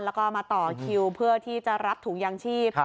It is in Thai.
แล้วก็มาต่อคิวเพื่อที่จะรับถุงยางชีพ